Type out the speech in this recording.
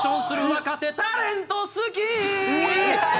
「若手タレント好き」